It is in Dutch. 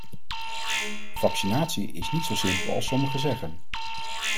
Vaccinatie is niet zo simpel als sommigen zeggen.